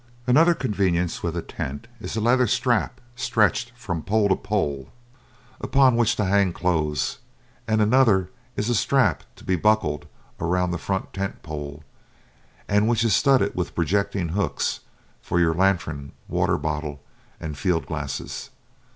Another convenience with a tent is a leather strap stretched from pole to pole, upon which to hang clothes, and another is a strap to be buckled around the front tent pole, and which is studded with projecting hooks for your lantern, water bottle, and field glasses.